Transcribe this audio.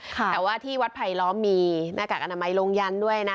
แต่ว่าที่วัดไผลล้อมมีหน้ากากอนามัยลงยันด้วยนะ